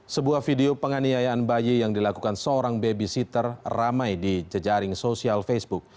sebuah video penganiayaan bayi yang dilakukan seorang babysitter ramai di jejaring sosial facebook